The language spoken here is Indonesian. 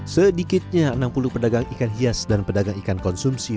sedikitnya enam puluh pedagang ikan hias dan pedagang ikan konsumsi